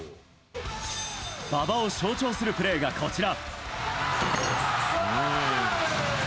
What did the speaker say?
馬場を象徴するプレーがこちら。